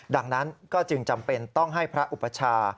ดังนั้นก็จึงจำเป็นต้องให้พระอุปชา